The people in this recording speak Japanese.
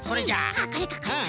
あっこれかこれか。